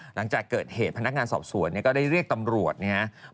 หลังจากเกิดเหตุพนักงานสอบสวนก็ได้เรียกตำรวจนะครับ